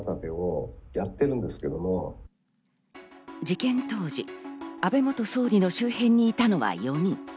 事件当時、安倍元総理の周辺にいたのは４人。